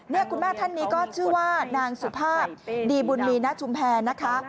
นี่คุณแม่ท่านนี้ก็ชื่อว่านางสุภาพดีบุญมีณชุมแพรนะคะ